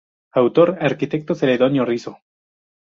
Autor: arquitecto Celedonio Risso.